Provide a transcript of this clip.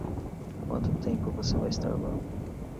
Quanto tempo você vai estar lá?